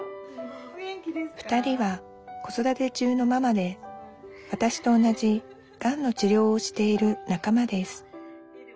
２人は子育て中のママでわたしと同じがんの治療をしている仲間です